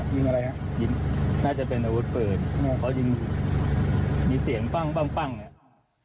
ยิงอะไรนะยิงน่าจะเป็นอาวุธเปิดเพราะยิงมีเสียงปั้งปั้งปั้งเนี้ย